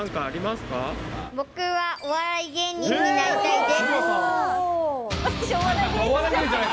僕はお笑い芸人になりたいです。